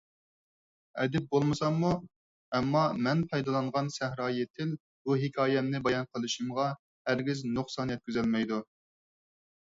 ئەدىب بولمىساممۇ، ئەمما مەن پايدىلانغان سەھرايى تىل بۇ ھېكايەمنى بايان قىلىشىمغا ھەرگىز نۇقسان يەتكۈزەلمەيدۇ.